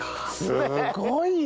すごいよ。